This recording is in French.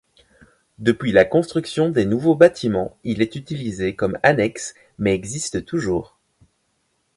Depuis la construction des nouveaux bâtiments, il est utilisé comme annexe mais existe toujours.